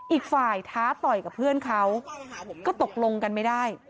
อีกฝ่ายท้าต่อยกับเพื่อนเขาก็ตกลงกันไม่ได้